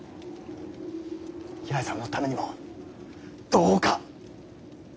八重さんのためにもどうか。